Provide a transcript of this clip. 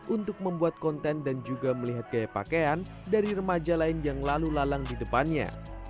untuk membuat konten dan juga melihat gaya pakaian dari remaja lain yang lalu lalang di depannya